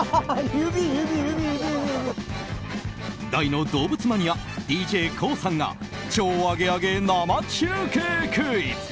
大の動物マニアＤＪＫＯＯさんが超アゲアゲ生中継クイズ！